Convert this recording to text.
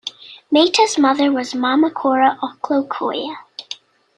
Mayta's mother was Mama Cora Ocllo Coya.